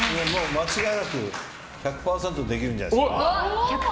間違いなく１００％できるんじゃないですか。